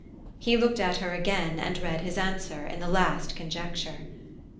He looked at her again, and read his answer in the last conjecture.